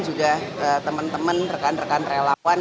juga teman teman rekan rekan relawan